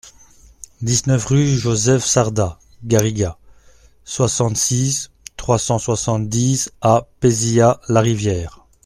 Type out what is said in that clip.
dix-neuf rue Joseph Sarda Garriga, soixante-six, trois cent soixante-dix à Pézilla-la-Rivière